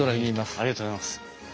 ありがとうございます。